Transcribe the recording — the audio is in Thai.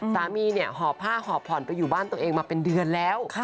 สามีเนี่ยหอบผ้าหอบผ่อนไปอยู่บ้านตัวเองมาเป็นเดือนแล้ว